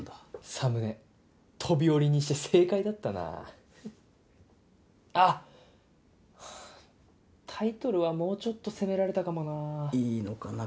サムネ飛び降りにして正解だったなあっタイトルはもうちょっと攻められたかもないいのかな